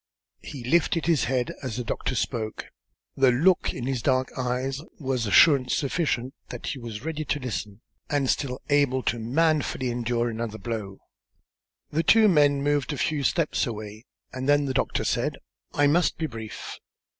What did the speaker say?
He lifted his head as the doctor spoke, and turned a white, set face toward him. The look in his dark eyes was assurance sufficient that he was ready to listen and still able to manfully endure another blow. The two men moved a few steps away, and then the doctor said: "I must be brief.